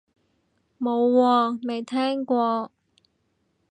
冇喎，未聽過